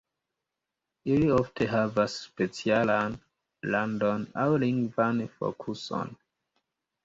Ili ofte havas specialan landon, aŭ lingvan fokuson.